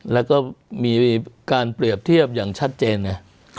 แล้วก็มีการเปรียบเทียบอย่างชัดเจนไง